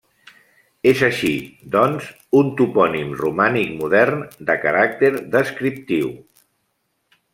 És així, doncs, un topònim romànic modern de caràcter descriptiu.